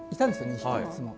２匹がいつも。